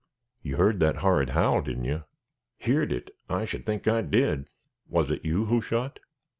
"You heard that horrid howl, didn't you?" "Heerd it! I should think I did." "Was it you who shot?"